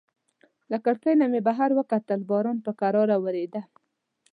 له کړکۍ نه مې بهر وکتل، باران په کراره وریده.